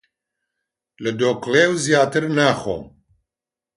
لە دۆکڵیو زیاتر ناخۆم!